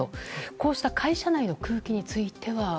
こうした会社内の空気については？